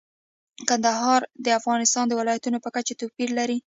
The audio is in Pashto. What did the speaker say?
کندهار د افغانستان د ولایاتو په کچه توپیر لري.